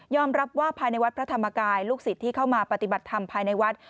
รับว่าภายในวัดพระธรรมกายลูกศิษย์ที่เข้ามาปฏิบัติธรรมภายในวัด